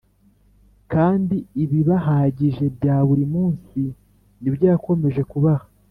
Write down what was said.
; kandi ibibahagije bya buri munsi ni byo yakomeje kubaha